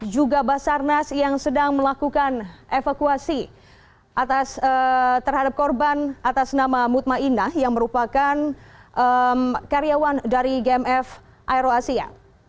juga basarnas yang sedang melakukan evakuasi terhadap korban atas nama ⁇ mutmainah ⁇ yang merupakan karyawan dari gmf aero asia